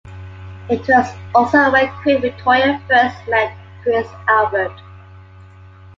It was also where Queen Victoria first met Prince Albert.